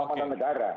dan keamanan negara